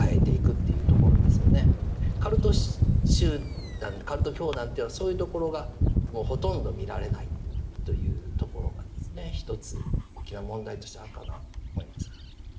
カルト集団カルト教団というのはそういうところがほとんど見られないというところがですね一つ大きな問題としてあるかなと思いますが。